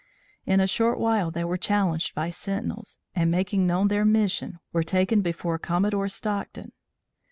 In a short while they were challenged by sentinels, and making known their mission, were taken before Commodore Stockton.